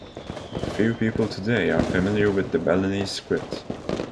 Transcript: Few people today are familiar with the Balinese script.